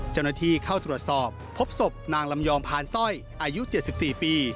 เจ้าหน้าที่เข้าตรวจสอบพบศพนางลำยองพานสร้อยอายุ๗๔ปี